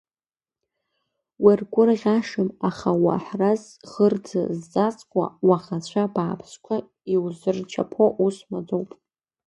Уаргәырӷьашам, аха уаҳраз кырӡа зҵазкуа, уаӷацәа бааԥсқәа иузырчаԥо ус маӡоуп.